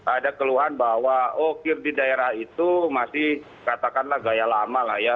ada keluhan bahwa oh kir di daerah itu masih katakanlah gaya lama lah ya